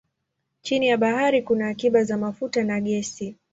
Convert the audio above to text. Chini ya bahari kuna akiba za mafuta na gesi.